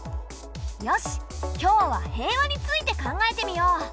よし今日は平和について考えてみよう。